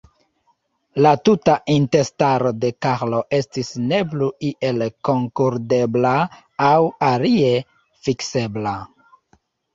La tuta intestaro de Karlo estis ne plu iel kunkudrebla aŭ alie fiksebla.